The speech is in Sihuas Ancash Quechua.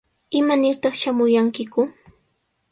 ¿Imanirtaq shamuyankiku?